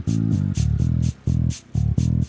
ga ada pilots kemarin